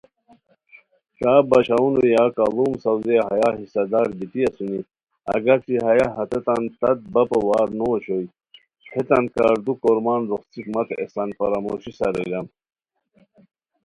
کا باشاؤنو یا کاڑوم ساؤزئے ہیا حصہ دار بیتی اسونی اگر چہ ہیہ ہتیتا ن تت بپو وار نو اوشوئے ہیتان کاردو کورمان روخڅیک متے احسان فراموشی ساریران